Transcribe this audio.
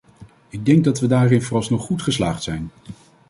Ik denk dat we daarin vooralsnog goed geslaagd zijn.